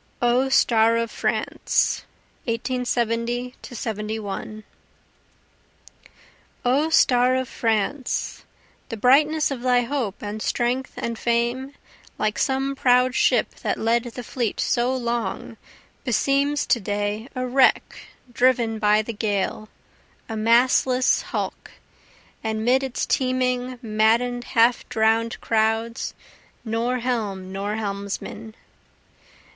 O Star of France [1870 71] O star of France, The brightness of thy hope and strength and fame, Like some proud ship that led the fleet so long, Beseems to day a wreck driven by the gale, a mastless hulk, And 'mid its teeming madden'd half drown'd crowds, Nor helm nor helmsman.